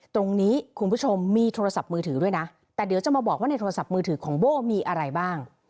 คุณผู้ชมมีโทรศัพท์มือถือด้วยนะแต่เดี๋ยวจะมาบอกว่าในโทรศัพท์มือถือของโบ้มีอะไรบ้าง